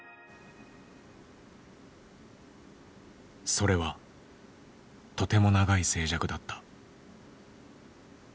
それはとても長い静寂だった。